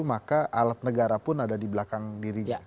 maka alat negara pun ada di belakang dirinya